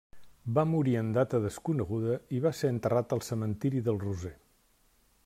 Va morir en data desconeguda i va ser enterrat al cementiri del Roser.